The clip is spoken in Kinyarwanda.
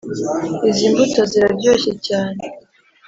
izi imbuto ziraryoshye cyane.